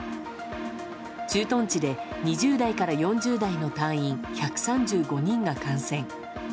駐屯地で２０代から４０代の隊員１３５人が感染。